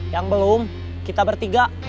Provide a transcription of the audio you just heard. yang belum kita bertiga